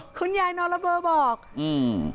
คุณยายนอนละเบอร์บอกอืม